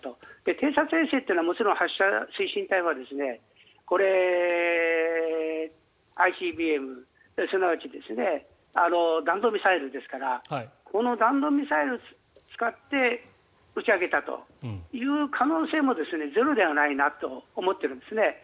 偵察衛星というのはもちろん発射推進体はこれ、ＩＣＢＭすなわち弾道ミサイルですからこの弾道ミサイルを使って打ち上げたという可能性もゼロではないなと思ってるんですね。